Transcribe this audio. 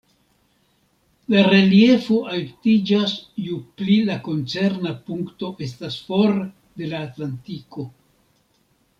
La reliefo altiĝas ju pli la koncerna punkto estas for de la atlantiko.